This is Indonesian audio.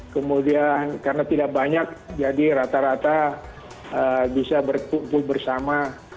kemudian karena tidak banyak jadi rata rata bisa berkumpul bersama